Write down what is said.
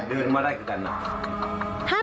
เดือนมาได้คือกันนะ